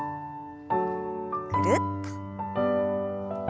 ぐるっと。